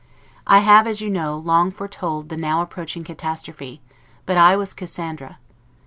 I have, as you know, long foretold the now approaching catastrophe; but I was Cassandra.